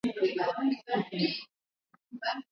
na Seljuks Katika karne ya kumi na tatu chini ya shambulio